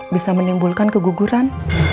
bisa menimbulkan keguguran